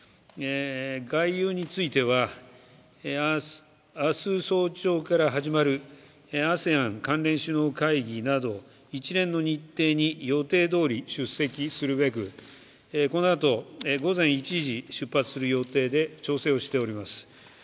概要については明日早朝から始まるＡＳＥＡＮ関連首脳会議など一連の日程に予定どおり出席するべく、このあと、午前１時出発する予定で調整をしております。